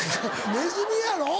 ネズミやろ？